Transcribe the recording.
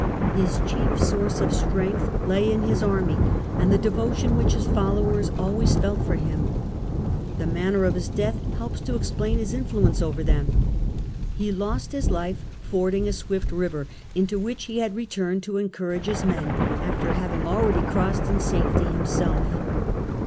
His chief source of strength lay in his army, and the devotion which his followers always felt for him. The manner of his death helps to explain his influence over them. He lost his life fording a swift river, into which he had returned to encourage his men, after having already crossed in safety himself.